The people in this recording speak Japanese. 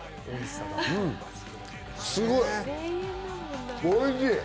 うん、すごいおいしい。